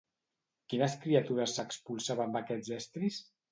Quines criatures s'expulsava amb aquests estris?